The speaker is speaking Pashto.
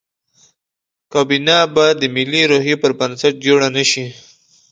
کابینه به د ملي روحیې پر بنسټ جوړه نه شي.